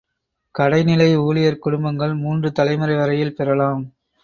கடைநிலை ஊழியர் குடும்பங்கள் மூன்று தலைமுறை வரையில் பெறலாம்.